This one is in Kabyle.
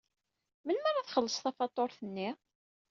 Melmi ara txelleṣ tafatuṛt-nni?